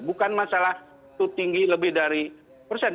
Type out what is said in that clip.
bukan masalah itu tinggi lebih dari persen